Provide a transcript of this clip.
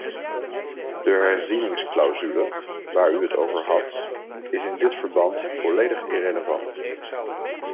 De herzieningsclausule waar u het over had, is in dit verband volledig irrelevant.